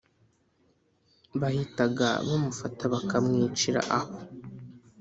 bahitaga bamufata bakamwicira aho